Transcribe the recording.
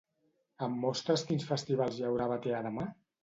Em mostres quins festivals hi haurà a Batea demà?